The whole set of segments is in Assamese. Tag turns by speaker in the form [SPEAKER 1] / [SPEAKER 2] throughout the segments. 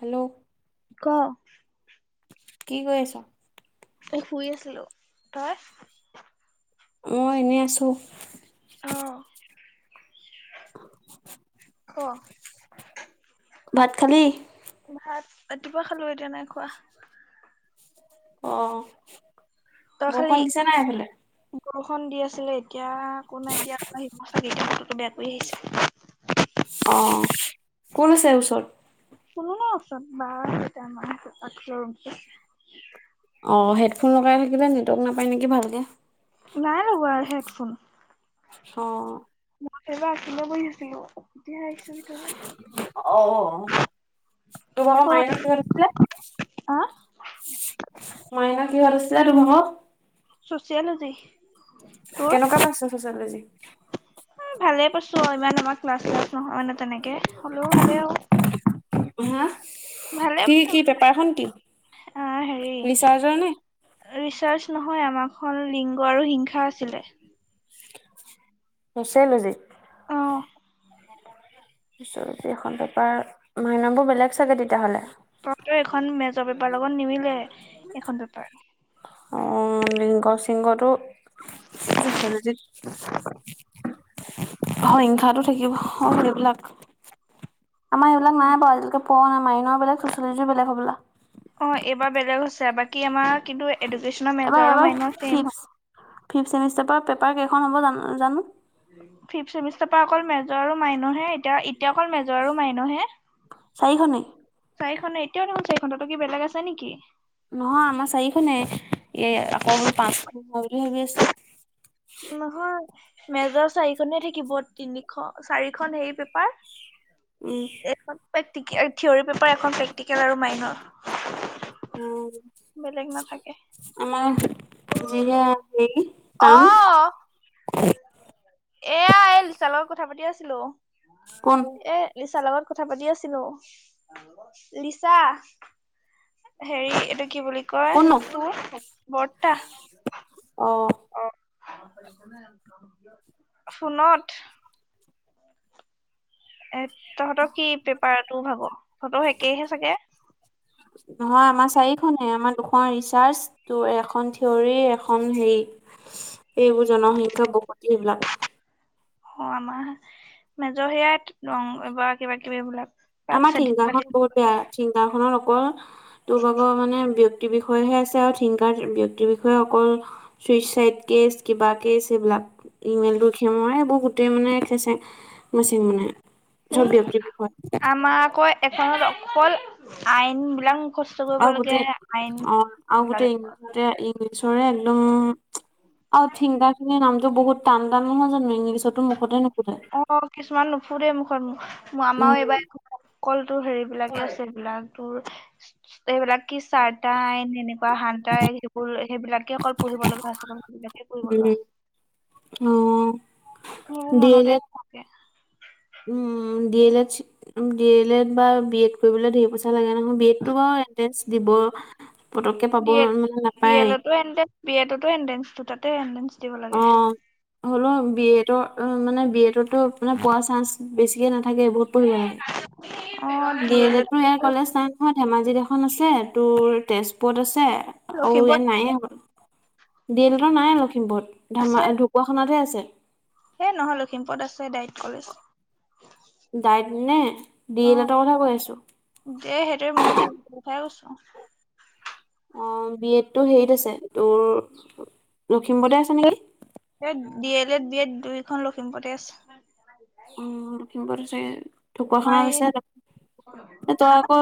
[SPEAKER 1] হেল্ল'
[SPEAKER 2] ক,
[SPEAKER 1] কি কৰি আছ।
[SPEAKER 2] এ শুই আছিলো তই,
[SPEAKER 1] মই এনেই আছো।
[SPEAKER 2] অ ক,
[SPEAKER 1] ভাত খালি।
[SPEAKER 2] ভাত ৰাতিপুৱা খালো এতিয়া নাই খোৱা।
[SPEAKER 1] অ বৰষুণ দিছে নাই সেইফালে।
[SPEAKER 2] বৰুষুণ দি আছিলে এতিয়া একো নাই দিয়া বেয়া কৰি আহিছে
[SPEAKER 1] অ কোন আছে ওচৰত?
[SPEAKER 2] কোনো নাই ওচৰত বা দেতা মা আছে
[SPEAKER 1] অ হেডফোন লগাই থাকিলে নেটৱৰ্ক নাপায় নেকি ভালকে।
[SPEAKER 2] নাই ৰ'ব আৰু হেডফোন।
[SPEAKER 1] অ
[SPEAKER 2] সেইবাৰ আছিল ন গহ আছিলোঁ
[SPEAKER 1] অ অ [unintelligible]
[SPEAKER 2] ক'ত আহ
[SPEAKER 1] মইনা কিহৰত আছিলা
[SPEAKER 2] ছচেৱলজি
[SPEAKER 1] কেনেকুৱা পাইছো ছচেলজি
[SPEAKER 2] উ ভালে পাইছো অ ইমান আমাৰ ক্লাছ ক্লাছ নহয় মানে তেনেকে হ'লেও ভালেই আৰু।
[SPEAKER 1] হা কি কি পেপাৰখন কি।
[SPEAKER 2] অ হেৰি
[SPEAKER 1] ৰিচাৰ্জৰ নে?
[SPEAKER 2] ৰিচাৰ্চ নহয় আমাক খ লিংগ আৰু হিংসা আছিলে
[SPEAKER 1] ছচেলজি
[SPEAKER 2] অ
[SPEAKER 1] ত এখন পেপাৰ মাইন বোৰ বেলেগ চাগে তেতিয়াহ'লে।
[SPEAKER 2] নিজৰ বেপাৰ লগত নিমিলে এখন পেপাৰ।
[SPEAKER 1] অ লিংগ সিংহটো। হিংসাতো থাকিব অ সেইবিলাক আমাৰ এইবিলাক নাই বাৰু আজিলৈকে। পোৱা নাই মাইনৰ বেলেগ চচেলজিৰ বেলেগ হ'বলা।
[SPEAKER 2] অ এইবাৰ বেলেগ হৈছে বাকী আমাৰ কিন্তু এডুকেচনৰ মেজৰ মাইড ছেইম হয়।
[SPEAKER 1] ফিফট মিষ্টাৰৰ পৰা পেপাৰ কেইখন হ'ব জান জানোঁ।
[SPEAKER 2] ফিফ চেমিষ্টাৰ পৰা অকল মেজৰ আৰু মাইনৰহে এতিয়া এতিয়া অকল মেজৰ আৰু মাইনৰহে।
[SPEAKER 1] চাৰিখনেই
[SPEAKER 2] চাৰিখনে [unintelligible]
[SPEAKER 1] নহয় আমাৰ চাৰিখনেই। এই আকৌ বোলো পাঁচখন হ'ব বুলি ভাবি আছিলোঁ।
[SPEAKER 2] নহয়, মেজৰ চাৰিখনে থাকিব, তিনিখ চাৰিখন হেৰি পেপাৰ
[SPEAKER 1] উম
[SPEAKER 2] এখন প্ৰেক্টিকেল, থিয়ৰী পেপাৰ এখন, প্ৰেক্টিকেল আৰু মাইনৰ।
[SPEAKER 1] উম
[SPEAKER 2] বেলেগ নাথাকে।
[SPEAKER 1] আমাৰ [inaudible]
[SPEAKER 2] এইয়া এই লিচাৰ লগত কথা পাতি আছিলোঁ।
[SPEAKER 1] কোন
[SPEAKER 2] এ লিচাৰ লগত কথা পাতি আছিলোঁ। লিচা, হেৰি এইটো কি বুলি কয়?
[SPEAKER 1] কোননো
[SPEAKER 2] তোৰ বৰ্তা
[SPEAKER 1] অ
[SPEAKER 2] অ' ফোনত এ তহঁতৰ কি পেপাৰ তোৰ ভাগৰ? তহঁতৰো একেইহে চাগে!
[SPEAKER 1] নহয় আমাৰ চাৰিখনে। আমাৰ দুখন ৰিচাৰ্চ, তোৰ এখন থিয়ৰী, এখন হেৰি এইবোৰ জনসংখ্যা বসতি সেইবিলাক।
[SPEAKER 2] অ আমাৰ, মেজৰ সেইয়াই কিবা কিবি বিলাক পাক
[SPEAKER 1] আমাৰ
[SPEAKER 2] স্বাধীন কালি
[SPEAKER 1] থিংকাৰখন বহুত বেয়া, থিংকাৰখনত অকল তোৰ ভাগৰ মানে ব্যক্তিৰ বিষয়েহে আছে আৰু থিংকাৰত, ব্যক্তিৰ বিষয়ে অকল চুইচাইদ কেচ, কিবা কেচ সেইবিলাক। [inaudible]
[SPEAKER 2] এ
[SPEAKER 1] [unintelligible] ব্যক্তিৰ বিষয়ে।
[SPEAKER 2] আমাৰ আকৌ এখনত অকল আইন বিলাক মুখস্থ কৰিব
[SPEAKER 1] আৰু
[SPEAKER 2] লাগে
[SPEAKER 1] গোটেই
[SPEAKER 2] আইন
[SPEAKER 1] অ', আৰু
[SPEAKER 2] বিলাক
[SPEAKER 1] গোটেই ইংলিছতে ইংলিছৰে একদম আৰু থিংকাৰখিনিৰ নামটো বহুত টান টান নহয় জানো? ইংলিছত, তোৰ মুখতে নুফুতে
[SPEAKER 2] অ', কিছুমান নুফুতেই মুখত। মোৰ
[SPEAKER 1] উম
[SPEAKER 2] আমাৰো এইবাৰ একো কলতো হেৰি বিলাকে আছে এইবিলাক তোৰ এইবিলাক কি চাৰ্টাৰ এনেকুৱা হান্তাৰ সেইবোৰ। সেইবিলাকেই অকল পঢ়িব লগা আছে ন।
[SPEAKER 1] উম, অ,
[SPEAKER 2] মোৰ
[SPEAKER 1] ডি এল এড
[SPEAKER 2] মনতেই নাথাকে।
[SPEAKER 1] উম, D L Ed - D L Ed বা বি এড কৰিবলে ধেৰ পইচা লাগে নহয়। বি এডটো বাৰু এণ্ট্ৰেন্স দিব পতককে পাব
[SPEAKER 2] ডি এ
[SPEAKER 1] মানে
[SPEAKER 2] - ডি
[SPEAKER 1] নাপায়
[SPEAKER 2] এলো এণ্ট্ৰেন্স বি এড টো এণ্ট্ৰেন্স দুটাতে এণ্ট্ৰেন্স।
[SPEAKER 1] অ, হ'লেও বি এ ডৰ অ, মানে বি এডতো মানে পোৱা চান্স বেছিকে নাথাকে। থাকে বহুত পঢ়িব লাগে। ডি এল এডও ইয়াত কলেজ নাই নহয়। ধেমাজি এখ খন আছে। তোৰ তেজপুৰত আছে আৰু ইয়াত
[SPEAKER 2] লখিমপুৰত
[SPEAKER 1] হ'বলা ডি এল এডৰ নাই লখিমপুৰত, ধেমাজি ঢকুৱাখানাত তহে আছে।
[SPEAKER 2] হেই নহয় লখিমপুৰত আছে ডাইট কলেজ।
[SPEAKER 1] ডাইট নে ডি
[SPEAKER 2] অ
[SPEAKER 1] এল এডৰ কথা কৈ আছো
[SPEAKER 2] দে। সেইটোৱে মইও দিয়া কথাই কৈছো।
[SPEAKER 1] অ, বি এডটো হেৰিত আছে তোৰ লখিমপুৰতে আছে নেকি?
[SPEAKER 2] D L Ed, B Ed দুইখন লখিমপুৰতে আছে।
[SPEAKER 1] উম, লখিমপুৰত আছে।
[SPEAKER 2] আমাৰ
[SPEAKER 1] ঢকুৱাখানা আছে।
[SPEAKER 2] এই
[SPEAKER 1] এ তই আকৌ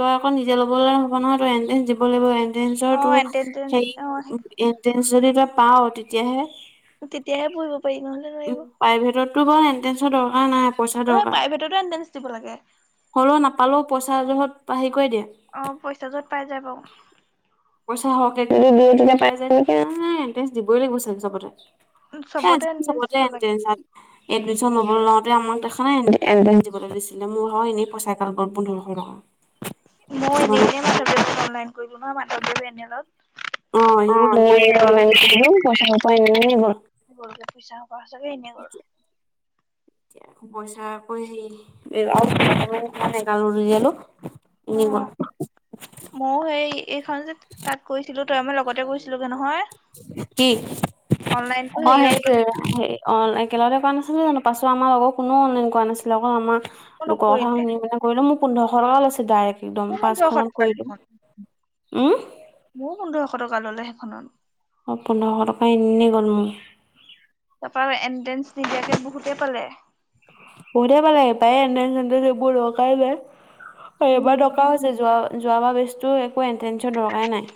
[SPEAKER 1] তই আকৌ নিজে ল'বলে হ'ব নহয়। তই এণ্ট্ৰেন্স দিব লাগিব, এণ্ট্ৰেঞ্চৰ
[SPEAKER 2] অ',
[SPEAKER 1] তোৰ
[SPEAKER 2] এটেনডেঞ্চ
[SPEAKER 1] হেৰি
[SPEAKER 2] অ',
[SPEAKER 1] এণ্ট্ৰেন্স এণ্ট্ৰেন্স যদি পাৱ তেতিয়াহে
[SPEAKER 2] তেতিয়াহে পঢ়িব পাৰি নহ'লে নোৱাৰিব।
[SPEAKER 1] তোৰ বাৰু এন্ট্ৰেঞ্চৰ দৰকাৰ নাই। পইচা
[SPEAKER 2] অ',
[SPEAKER 1] দৰকাৰ।
[SPEAKER 2] প্ৰাইভেটতো এণ্ট্ৰেঞ্চ দিব লাগে।
[SPEAKER 1] হ'লেও নাপালেও পইচা যহত
[SPEAKER 2] অ, পইচা যত পাই যায় ব
[SPEAKER 1] পইচা সৰহকে এ দিবই লাগিব চ চবতে
[SPEAKER 2] উম, চবতে আনিল।
[SPEAKER 1] তে- তেন চাৰ এডমিশ্যন ল'বলৈ লওতে আমাক দেখ নাই দিবলৈ দিছিলে মোৰ হয় এনেই পইচাই ক গ'ল পোন্ধৰশ টকা।
[SPEAKER 2] মই
[SPEAKER 1] কিছুমানে
[SPEAKER 2] এনে মলন কৰিলো ন মাধৱদেৱে এলত
[SPEAKER 1] অ, থ পইচা পবাৰ [unintelligible]
[SPEAKER 2] গ'লগে পইচা পচাকে এনে কৰ
[SPEAKER 1] পইচা কৰিগাল ইলো।
[SPEAKER 2] অ, মইও সেই এইখন যে তাত কৈছিলো তই মই লগতে কৰিছিল কে নহ।
[SPEAKER 1] কি
[SPEAKER 2] অনলাইনতো
[SPEAKER 1] অ,
[SPEAKER 2] হেৰিয়ৰ
[SPEAKER 1] সেইটোৱ অ, হাই একেলগতে কৰা নাছিলে জানো পাছো আমাৰ লগত কো অনলাইন কৰা নাছিলেক আমাৰ
[SPEAKER 2] কাকো
[SPEAKER 1] লোকৰ কথা
[SPEAKER 2] নকৰিলে
[SPEAKER 1] শুনি পেলাই কৰিলো মোক। পোন্ধৰশ টকা লৈছে ডাইৰেক্ট একদম
[SPEAKER 2] মোৰ পোন্ধৰশ
[SPEAKER 1] পাচখনত কৰিলো উম,
[SPEAKER 2] ময় বন্ধৰ এশ টকা ললে সেইখনত
[SPEAKER 1] অ, পোন্ধৰশ টকা এনেই গল মোৰ।
[SPEAKER 2] তাৰপা এণ্ট্ৰেন্ঞ্চ নিদিয়াকে বহুতে পালে।
[SPEAKER 1] উম, বহুতে পালে পায় এণ্ট্ৰেন্স চেন্ত্ৰেন্স এইবোৰৰ দৰকাৰে নাই। আৰু এইবাৰ দৰকাৰ হৈছে যোৱাবাৰ বেটচটো এণ্ট্ৰেন্সৰ দৰকাৰে নাই।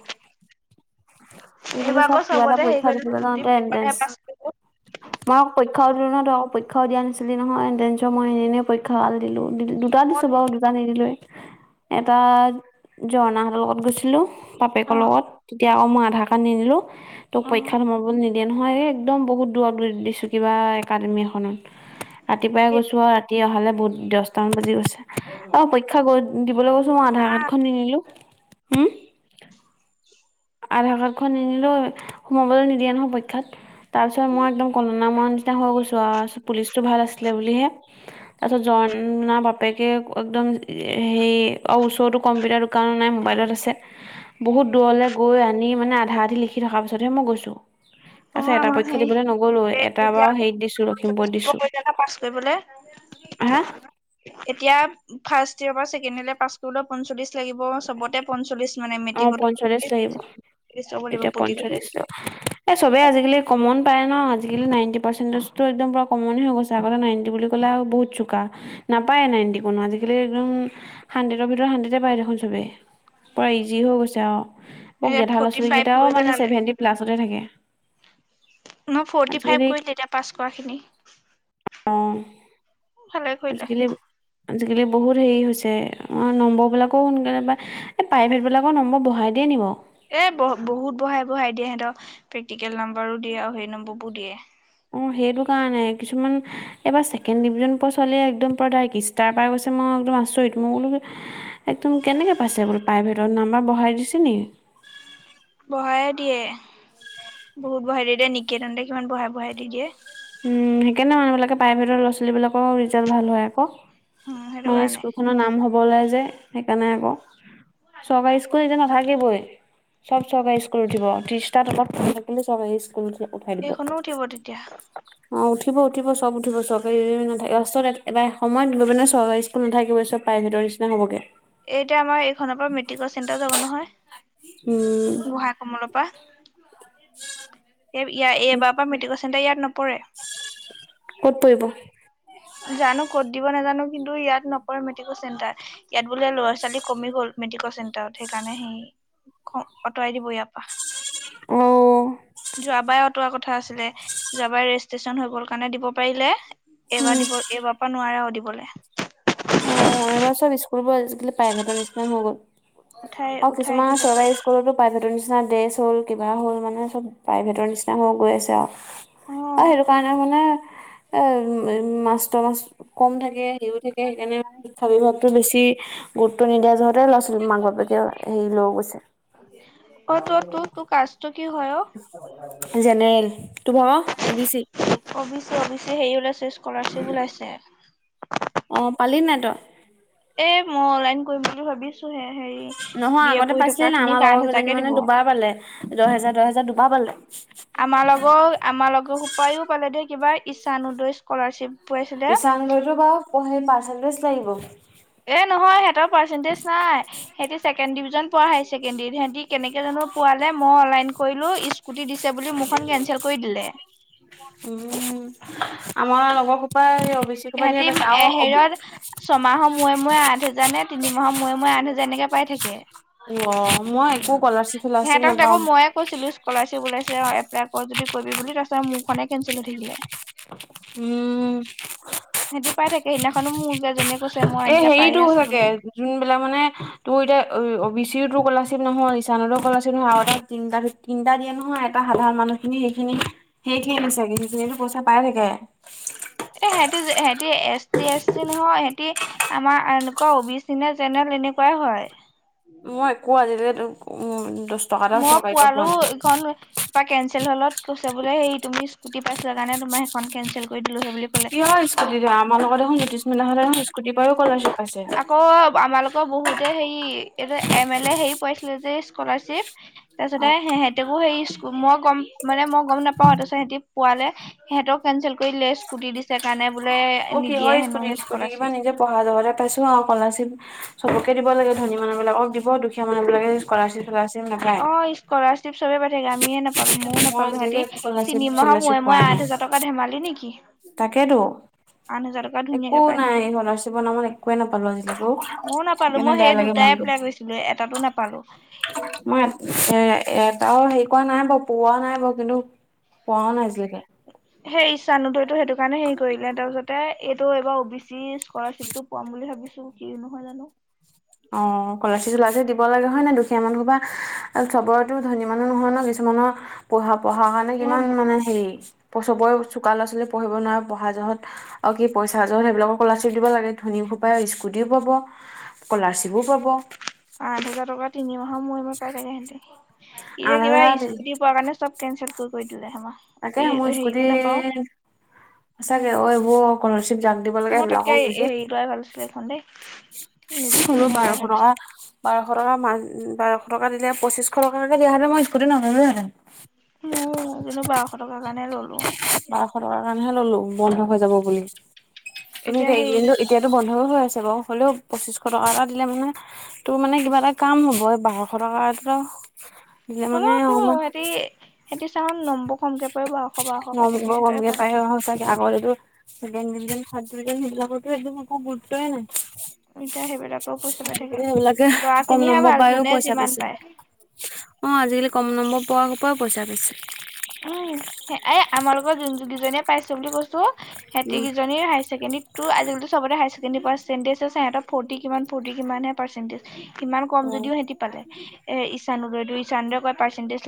[SPEAKER 1] আজিকালি
[SPEAKER 2] এইবাৰ আকৌ
[SPEAKER 1] চব কিবা এটা
[SPEAKER 2] চবতে হেৰি
[SPEAKER 1] পৰীক্ষা
[SPEAKER 2] কৰিলে
[SPEAKER 1] দিবলৈ যাতে এ
[SPEAKER 2] পেপাৰ হে পাছ কৰিলে।
[SPEAKER 1] মই পৰক্ষা অনত ধক পক্ষাও দিয়াছিলি নহয় এণ্টেঞ্চৰ মই এনেই পৰীক্ষা আল দিলো দুটা দিছো
[SPEAKER 2] মই
[SPEAKER 1] বাৰু দুটা নিদিলোৱে। এটা ঝৰ্ণাহতৰ লগত গৈছিলো বাপেকৰ
[SPEAKER 2] অ',
[SPEAKER 1] লগত। তেতিয়া আক মই আধাৰ কাৰ্ড নিদিলো তোক
[SPEAKER 2] অ',
[SPEAKER 1] পৰীক্ষাত সোমাব নি দিয়ে নহয় এই একদম বহুত দূৰৰত দূ দিছো কিবা একাডেমী এখনত। ৰাতিপুৱাই
[SPEAKER 2] এ
[SPEAKER 1] গৈছো আৰু ৰাতি অহালে বহুত দহটামান বাজি গৈছে। অ পৰীক্ষা গ দিবলৈ কৈছো মই আধাৰ কাৰ্ড খন নিনিলো। হুম, আধাৰ কাৰ্ডখন নিলিলো সোমাবলৈ নিদিয়ে নহয় পক্ষাত। তাৰ পিছত মই একদম কনদনামুৱা নিচনা হৈ গৈছো আৰু পুলিচ তো ভাল আছিলে বুলিহে তাৰ পিছত জৰ্না বাপেকে একদম হেই আৰু ওচৰতো কম্পিউটাৰ দোকানো নাই মোবাইলত আছে বহুত দূৰলে গৈ আনি মানে আধা আধি লিখি থকা পিছতহে মই গৈছো। তাৰছত
[SPEAKER 2] অ',
[SPEAKER 1] এটা
[SPEAKER 2] আমাৰ
[SPEAKER 1] পৰক্ষা
[SPEAKER 2] হেৰি
[SPEAKER 1] দিবলৈ নগলো
[SPEAKER 2] এ
[SPEAKER 1] এটা
[SPEAKER 2] এতিয়া
[SPEAKER 1] বাৰু হেৰিত দিছো
[SPEAKER 2] পঞ্চল্লিশ
[SPEAKER 1] লখিমপুৰত
[SPEAKER 2] কৰিব
[SPEAKER 1] দিছো।
[SPEAKER 2] লাগে ন পাছ কৰিবলৈ
[SPEAKER 1] আহা।
[SPEAKER 2] এতিয়া ফাৰ্ষ্ট ইয়েৰৰ পৰা ছেকেণ্ড ইয়ৰলে পাছ কৰিলেও পঞ্চল্লিশ লাগিব চবতে পঞ্চল্লিছ।
[SPEAKER 1] অ, পঞ্চল্লিশ লাগিব
[SPEAKER 2] ল'ব লাগিব
[SPEAKER 1] এতিয়া
[SPEAKER 2] প্ৰতিটো
[SPEAKER 1] পঞ্চল্লিশ টো এ চবে আজিকালি কমত [unintelligible] পাৰে ন'আজিকালি নাইনটি পাৰ্চেন্টেজটো একদম পুৰা কমন হৈ গৈছে আগতে নাইনটি বুলি ক'লে আৰু বহুত চোকা। নাপায় নাইণ্টি কোনো আজিকালি একদম হাণ্ড্ৰেডৰ ভিতৰত হাণ্ড্ৰেডে পায় দেখোন চবেই পোৰা ইজি যি হৈ গৈছে আৰু অ,
[SPEAKER 2] এ
[SPEAKER 1] গেধা ল'ৰা
[SPEAKER 2] ফৰ্টি ফাইভ
[SPEAKER 1] -ছোৱালীকেইটাও
[SPEAKER 2] কৰি
[SPEAKER 1] মানে
[SPEAKER 2] পেলালে
[SPEAKER 1] ছেভেণ্টি প্লাছতে থাকে।
[SPEAKER 2] মই ফৰ্টি ফাইভ
[SPEAKER 1] আজিকালি
[SPEAKER 2] কৰি তেতিয়া পাছ কৰা খিনি।
[SPEAKER 1] অ
[SPEAKER 2] ভালে কৰিলে।
[SPEAKER 1] আজিকালি আজিকালি বহুত হেৰি হৈছে অ, নম্বৰবিলাকো সোনকালে বা এই প্ৰাইভেটবিলাকো নম্বৰ বঢ়াই দিয়ে নি বাৰু?
[SPEAKER 2] এ বহ বহুত বঢ়াই-বঢ়াই দিয়ে সিহঁতক প্ৰেক্টিকেল নম্বৰো দিয়ে আৰু সেই নম্বৰবোৰ দিয়ে
[SPEAKER 1] অ, সেইটো কাৰণে কিছুমান এইবাৰ ছেকেণ্ড ডিভিজন পোৱা ছোৱালীয়ে একদম পুৰা ডাইৰেক্ট ষ্টাৰ পাই গৈছে মই একদম আচৰিত মই বোলো একদম কেনেকে পাইছে বোলো প্ৰাইভেটত নাম্বাৰ বঢ়াই দিছে নি [unintelligible]
[SPEAKER 2] বঢ়ায়ে দিয়ে বহুত বঢ়াই দি দিয়ে নিকেতনহতে কিমান বঢ়াই-বঢ়াই দি দিয়ে।
[SPEAKER 1] উম, সেইকাৰনে মানুহবিলাকে প্ৰাইভেটৰ ল'ৰা ছোৱালীবিলাকো ৰিজাল্ট ভাল হয় আকৌ।
[SPEAKER 2] উম সেইটো
[SPEAKER 1] মানে
[SPEAKER 2] কাৰণে
[SPEAKER 1] স্কুল খনৰ নাম হ'ব ওলাই যে সেইকাৰণে আকৌ। চৰকাৰী স্কুল এতিয়া নাথাকিবই। সব চৰকাৰী স্কুলত দিব, ত্ৰিশটা তলত [unintelligible] থাকিলেও চৰকাৰী স্কুল উঠাই দিব।
[SPEAKER 2] সেইখনো উঠিব তেতিয়া
[SPEAKER 1] অ উঠিব উঠিব চব উঠিব চৰকাৰে নাথাকে লাষ্টত ই এটা সময়ত গৈ পিনে চৰকাৰী স্কুল নাথাকিবই চব প্ৰাইভেটৰ নিচিনা হবগে।
[SPEAKER 2] এতিয়া আমাৰ এইখনৰ পৰা মেট্ৰিক চেণ্টাৰ যাব নহয়।
[SPEAKER 1] উম।
[SPEAKER 2] গোহাঁই কমলৰ পৰা, এ ইয়া এইবাৰ পৰা মেট্ৰিকৰ চেণ্টাৰ ইয়াত ন
[SPEAKER 1] কত পৰিব?
[SPEAKER 2] জানো কত দিব নাজানো কিন্তু ইয়াত নপৰে মেট্ৰিকৰ চেণ্টাৰ। ইয়াত বোলে ল'ৰা ছোৱালী কমি গ'ল মেডিকেল চেণ্টাৰত সেইকাৰণে সেই ইয়াৰ পৰা খ আঁতৰাই দিব।
[SPEAKER 1] অ
[SPEAKER 2] যোৱাবাৰ অটোৱাৰ কথা আছিলে। যোৱাবাৰ ৰেজিষ্ট্ৰেশচন হৈ গ'ল কাৰণে দিব পাৰিলে এইবাৰ দিব, এইবাৰ পৰা নোৱাৰে আও দিবলৈ।
[SPEAKER 1] অ', এইবাৰ চব স্কুলবোৰ আজিকালি প্ৰাইভেটৰ নিচিনা হৈ গ'ল।
[SPEAKER 2] উঠাই
[SPEAKER 1] আও
[SPEAKER 2] উঠাই
[SPEAKER 1] কিছুমান
[SPEAKER 2] দিলে
[SPEAKER 1] চৰকাৰী স্কুলতো প্ৰাইভেট ৰ নিচিনা ড্ৰেছ হ'ল, কিবা হ'ল। মানে সব প্ৰাইভেটৰ নিচিনা হৈ গৈ আছে আৰু। অ', হেইটো কাৰণে মানে আ-মা-মাষ্ট-মাষ্ কম থাকে [unintelligible] থাকে সেইকৰনে শিক্ষা বিভাগতো বেছি গু গুৰুত্ব নিদিয়া যহঁতে ল'ৰা ছোৱালী মাক-বাপেকে হেই লৈ গৈছে।
[SPEAKER 2] অ', তো-তো-তো-তোৰ কাষ্টটো কি হয় অ'?
[SPEAKER 1] জেনেৰেল। তোৰ ভাগৰ? O B C.
[SPEAKER 2] ত অ বি চিৰ হেৰি ওলাইছে, স্কলাৰশ্বিপ ওলাইছে।
[SPEAKER 1] অ', পালিনে নাই তই?
[SPEAKER 2] এ মই অনলাইন কৰিম বুলি ভাবিছ
[SPEAKER 1] নহয় আগতে পাইছিলিনে নাই?
[SPEAKER 2] খিনি
[SPEAKER 1] আমাৰ
[SPEAKER 2] কাৰেণ্ট
[SPEAKER 1] লগৰ
[SPEAKER 2] হাজাৰকে দিব।
[SPEAKER 1] কেইজনীমানে দুবাৰ পালে! দহ হাজাৰ, দহ হাজাৰ দুবাৰ পালে। [unintelligible]
[SPEAKER 2] আমাৰ লগৰো, আমাৰ লগৰ সোপাইও পালে দেই কিবা ঈশান উদয় স্কলাৰশ্বিপ। পাইছিলে।
[SPEAKER 1] ঈশান উদয়টো বাৰু [unintelligible] হেৰি পাৰ্চেণ্টেজ লাগিব।
[SPEAKER 2] এ নহয়, সিহঁতৰ পাৰ্চেন্টেজ নাই। সিহঁতি ছেকেণ্ড ডিভিজন পোৱা হাই ছেকেণ্ডাৰীত, সিহঁতি কেনেকে জানো মই পোৱা নাই, মই অনলাইন কৰিলোঁ। স্কুটি দিছে বুলি মোৰখন কেনচেল কৰি দিলে।
[SPEAKER 1] উম, উম, আমাৰ লগৰ সোপাই এই অ' বি চি সোপা ধেৰ
[SPEAKER 2] সিঁহতি
[SPEAKER 1] পাইছে
[SPEAKER 2] এ
[SPEAKER 1] আৰু অ' বি
[SPEAKER 2] হেইয়ত ছমাহৰ মূৰে মূ মই আঠ হাজাৰনে, তিনি মাহৰ মূৰে মূৰে আঠ হাজাৰ এনেকে পাই থাকে।
[SPEAKER 1] অ' মই একো স্কলাৰশ্বিপ চলাৰশ্বিপ
[SPEAKER 2] সিহঁতক
[SPEAKER 1] নাপাওঁ।
[SPEAKER 2] দেখুন মইয়ে কৈছিলোঁ স্কলাৰশ্বিপ ওলাইছে, এপ্লাই কৰ যদি কৰিবি বুলি, তাৰপিছতে মোৰখনে কেনচেল হৈ থাকিলে।
[SPEAKER 1] উম।
[SPEAKER 2] সি পাই থাকে। সেইদিনাখনো মোৰ [unintelligible] এজনীয়ে কৈছে। মই
[SPEAKER 1] এ
[SPEAKER 2] এনেকে পায়ে
[SPEAKER 1] হেইটো
[SPEAKER 2] আছো
[SPEAKER 1] ইহঁতে
[SPEAKER 2] বুলি
[SPEAKER 1] যোনবিলাক মানে তোৰ এতিয়া অ' বি চি [unintelligible] নহয়, ঈশান উদয় স্কলাৰশ্বিপ নহয় আৰু এটা তিনিটা, তিনিটা দিয়ে নহয়! এটা সাধাৰণ মানুহখিনি, সেইখিনি হেইখিনি চাগে, হেইখিনিয়েটো পইচা পাই থাকে।
[SPEAKER 2] এ সিহঁতি-সিহঁতি এছ টি, এছ টি নহয় সিহঁতি আমাৰ আনকু অবিচিচেনেল জেনেৰেল এনেকুৱাই হয়।
[SPEAKER 1] মই একোৱেই আজিকালি অহ'
[SPEAKER 2] মই পোৱালো ইখন [unintelligible] কেঞ্চেল [unintelligible] কৈছে বোলে হেৰি, তুমি স্কুটি পাইছিলা কাৰণে তোমাৰ সেইখন কেনচেল কৰি দিছে।
[SPEAKER 1] কিহৰ স্কুটি দিয়া, আমাৰ লগৰ দেখোন জ্যোতিস্মিতাহঁতে দেখোন স্কুটি পাইয়ো স্কলাৰশ্বিপ পাইছে।
[SPEAKER 2] আকৌ আমাৰ লগ অ', বহুতে হেই এইটো এম এল এ হেই পাইছিলে যে স্কলাৰশ্বিপ। তাৰপিছতে
[SPEAKER 1] অ',
[SPEAKER 2] সেহেঁতেও হেৰি [unintelligible] মই গম মানে মই গম নাপাওঁ। তাৰপিছত সিহঁতি পোৱালে সিহঁতৰ কেনচেল কৰিলে স্কুটি দিছে কাৰণে বোলে
[SPEAKER 1] অ', কিহৰ
[SPEAKER 2] নিদিয়ে হেনো স্কলাৰশিপ।
[SPEAKER 1] অঁ কলাৰশ্বিপ চবকে দিব লাগে ধনী মানুহ বিলাকক দিব দুখীয়া মানুহ বিলাকে কলাৰ্চিপ কলৰচিপ নাপায়।
[SPEAKER 2] সবে পায় থাকে আমিয়ে ন নাপালো ময়ও
[SPEAKER 1] মই
[SPEAKER 2] নাপালো, সিহঁতি
[SPEAKER 1] আজিলৈকে একো স্কলাৰশ্বিপ
[SPEAKER 2] তিনিমাহৰ
[SPEAKER 1] চলাৰশ্বিপ
[SPEAKER 2] মোৰে মোৰে আঠ হাজাৰ টকা ধেমালি নেকি?
[SPEAKER 1] তাকেইতো
[SPEAKER 2] আঠ হাজাৰ টকা
[SPEAKER 1] একো
[SPEAKER 2] ধুনীয়াকে পাই
[SPEAKER 1] নাই
[SPEAKER 2] থাকে
[SPEAKER 1] স্কলাৰশ্বিপৰ নামত একোৱে নাপালো। [unintelligible]
[SPEAKER 2] ময়ো নাপালো
[SPEAKER 1] সেইকাৰণে
[SPEAKER 2] মই
[SPEAKER 1] বেয়া
[SPEAKER 2] সেই
[SPEAKER 1] লাগে
[SPEAKER 2] দুটাই
[SPEAKER 1] মনটো।
[SPEAKER 2] এপ্লাই কৰিছিলো এটাতো নাপালো
[SPEAKER 1] মই ইয়াত এ এটাও হেৰি কৰা নাই বাৰু পোৱা নাই বাৰু কিন্তু কৰাও নাই আজিলেকে।
[SPEAKER 2] সেই ঈশানউদয়টো সেইটো কাৰণে হেৰি কৰিলে তাৰপিছতে এইটো এইবাৰ অ বি চি স্কলাৰশ্বিপটো পাম বুলি ভাবিছো কিনো হয় জানো।
[SPEAKER 1] অ কলাৰচিটো লাগে দিব ব লাগে হয় নাই? দুখীয়া মানুহ সোপাহ আৰু সবৰেটো ধনী মানুহ নহয় ন, কিছুমানৰ পঢ়া পঢ়া কাৰণে
[SPEAKER 2] এ
[SPEAKER 1] কিমান মানে হেৰি চবৰে চোকা ল'ৰা- ছোৱালী পঢ়িব নোৱাৰে। পঢ়া যহত আৰু কি পইচা জহত সেইবিলাকক কলাশ্বিপ দিব লাগে। ধনী উপায় স্কুটিও পাব, স্কলাৰশ্বিপো পাব।
[SPEAKER 2] আঠ হাজাৰ টকা তিনি মাহৰ মূৰে মূৰে পাই থাকে সিহঁতি,
[SPEAKER 1] আঠ
[SPEAKER 2] এতিয়া কিবা
[SPEAKER 1] হাজাৰ
[SPEAKER 2] স্কুটি পোৱা কাৰণে চব কেন ঞ্চতকৈ
[SPEAKER 1] তাকে মোৰ স্কুটি সচাকে অবোৰ ক তুমি জান দিব লগাগা সেইবিলাকো নিকি
[SPEAKER 2] ৰ দেই নিযুত
[SPEAKER 1] আৰু
[SPEAKER 2] মইনা লোৱাই
[SPEAKER 1] বাৰশ
[SPEAKER 2] ভাল
[SPEAKER 1] টকা
[SPEAKER 2] আছিলে
[SPEAKER 1] বাৰশ টকা মান বাৰশ টকা দিলে পচিশটকে দিয়া হে মই স্কুটি নললো হেতেন
[SPEAKER 2] উ যনো বাৰশ টকাৰ কাৰণে ললো
[SPEAKER 1] বাৰশ টকাৰ কাৰণেহে ললো বন্ধ হৈ যাব বুলি ত
[SPEAKER 2] এতিয়া
[SPEAKER 1] এয়া
[SPEAKER 2] হেৰি
[SPEAKER 1] এইনো এতিয়াতো বন্ধও হয়। বাৰু হ'লেও পঁচিশ টকা এটা দিলে মানে তোৰ মানে কিবা এটা কাম হ'ব বাৰশ টকা এ বলে মানে আমাৰ
[SPEAKER 2] নম্ব খমকে পৰিব আৰু
[SPEAKER 1] নম্বৰ কমকে পায় সঁচাকে আগতেতো খাদ এ নিলাপতে এদ ম ক গোট হয় ন
[SPEAKER 2] এতিয়া সেইবিলাকেও পইচা পাই থাকে।
[SPEAKER 1] এইবিলাকে
[SPEAKER 2] ল'ৰা
[SPEAKER 1] কম
[SPEAKER 2] খিনিহে
[SPEAKER 1] নম্বৰ
[SPEAKER 2] ভাল
[SPEAKER 1] পায়ও
[SPEAKER 2] যোনে
[SPEAKER 1] পইচা
[SPEAKER 2] যিমান
[SPEAKER 1] পাইছে।
[SPEAKER 2] পায়।
[SPEAKER 1] অ আজিকালি কম নম্বৰ পোৱাৰ পৰাও পইচা পাইছে
[SPEAKER 2] উম এ আমাৰ লগৰ যিজনে পাইছে বুলি কৈছো। [unintelligible]
[SPEAKER 1] উম
[SPEAKER 2] কজনীৰ হায়াৰ ছেকেণ্ডৰীত তো আজিকালিোবতে হায়াৰ ছেণ্ডেৰ পাৰেণ্টেজছে সিহঁত ফৰটি কিমান ফৰ্টি কিমানহে পাৰ্চেটেজ ইমান কম
[SPEAKER 1] অ
[SPEAKER 2] যদিও সিহঁতি পালে এ ইছানুলৈ ইছানুে কয় পাৰ্চেণ্টেজ